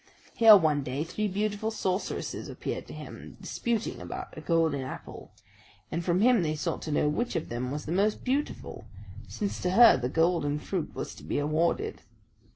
Here one day three beautiful sorceresses appeared to him, disputing about a golden apple; and from him they sought to know which of them was the most beautiful, since to her the golden fruit was to be awarded.